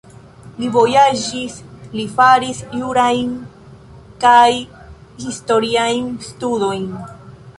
Li vojaĝis, li faris jurajn kaj historiajn studojn.